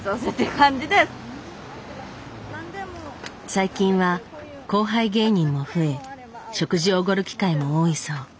最近は後輩芸人も増え食事をおごる機会も多いそう。